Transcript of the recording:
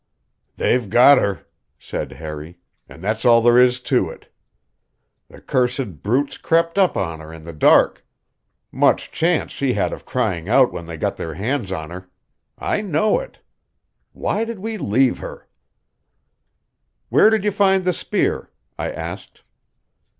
"They've got her," said Harry, "and that's all there is to it. The cursed brutes crept up on her in the dark much chance she had of crying out when they got their hands on her. I know it. Why did we leave her?" "Where did you find the spear?" I asked.